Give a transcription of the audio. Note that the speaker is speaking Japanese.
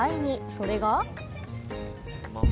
それが。